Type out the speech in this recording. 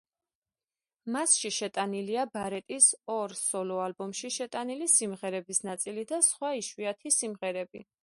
მასში შეტანილია ბარეტის ორ სოლო ალბომში შეტანილი სიმღერების ნაწილი და სხვა იშვიათი სიმღერები.